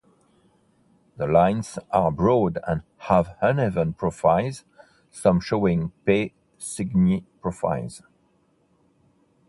The lines are broad and have uneven profiles, some showing P Cygni profiles.